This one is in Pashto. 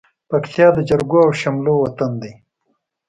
پکتيا د جرګو او شملو وطن دى.